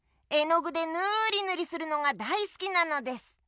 えのぐでぬりぬりするのがだいすきなのです。